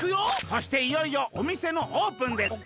そしていよいよおみせのオープンです」。